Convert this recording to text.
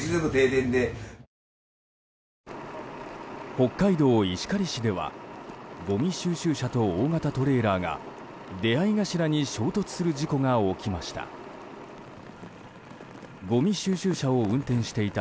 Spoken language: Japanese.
北海道石狩市ではごみ収集車と大型トレーラーが出会い頭に衝突する事故が起きました。